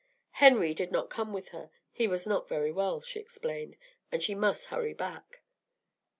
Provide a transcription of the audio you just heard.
Henry did not come with her; he was not very well, she explained, and she must hurry back.